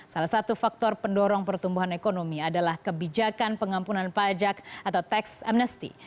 salah satu faktor pendorong pertumbuhan ekonomi adalah kebijakan pengampunan pajak atau tax amnesty